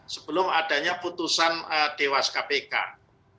sebelum adanya putusan dewan pengawas kpk